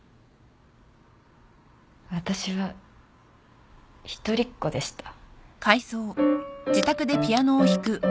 私は一人っ子でした。